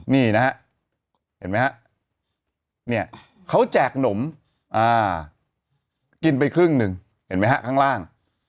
นี่นะเห็นไหมครับเขาแจกหนมกินไปครึ่งหนึ่งเห็นไหมครับข้างล่าง